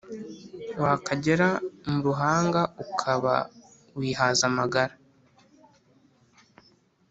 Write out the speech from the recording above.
Wakagera mu ruhanga ukaba wihaze amagara